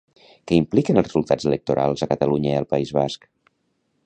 Què impliquen els resultats electorals a Catalunya i al País Basc?